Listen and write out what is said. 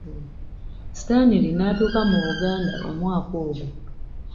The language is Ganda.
Stanley n'atuuka mu Buganda mu mwaka ogwo.